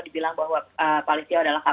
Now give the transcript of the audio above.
dibilang bahwa pak listio adalah uvp